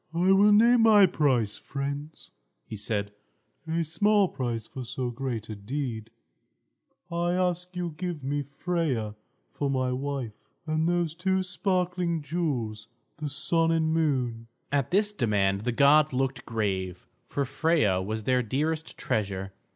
"I will name my price, friends," he said; "a small price for so great a deed. I ask you to give me Freia for my wife, and those two sparkling jewels, the Sun and Moon." At this demand the gods looked grave; for Freia was their dearest treasure.